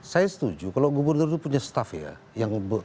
saya setuju kalau gubernur itu punya staff ya